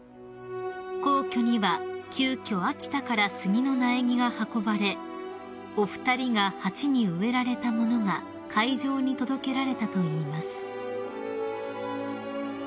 ［皇居には急きょ秋田から杉の苗木が運ばれお二人が鉢に植えられた物が会場に届けられたといいます］